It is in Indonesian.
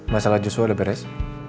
masalah juswa udah beres